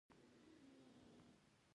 يوه ببر سري خپل سر د موټر په کړکۍ ننه ايست.